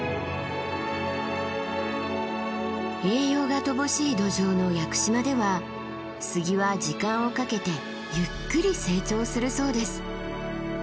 栄養が乏しい土壌の屋久島では杉は時間をかけてゆっくり成長するそうです。